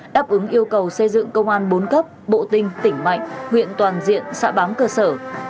đáp ứng yêu cầu xây dựng công an bốn cấp bộ tinh tỉnh mạnh huyện toàn diện xã bám cơ sở